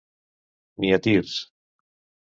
Ni a tirs.